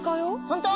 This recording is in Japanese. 本当？